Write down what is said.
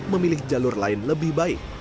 memilih jalur lain lebih baik